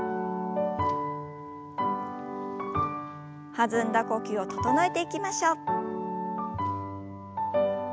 弾んだ呼吸を整えていきましょう。